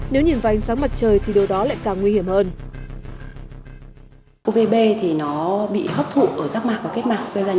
nếu nhìn vào ánh sáng mặt trời thì điều đó lại càng nguy hiểm hơn